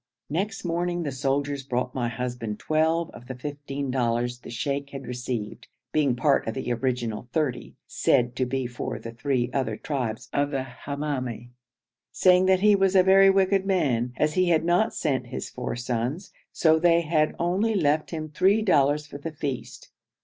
Next morning the soldiers brought my husband twelve of the fifteen dollars the sheikh had received (being part of the original thirty, said to be for the three other tribes of Hamoumi), saying that he was a very wicked man, as he had not sent his four sons, so they had only left him three dollars for the feast.